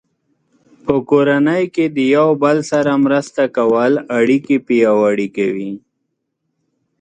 په کورنۍ کې د یو بل سره مرسته کول اړیکې پیاوړې کوي.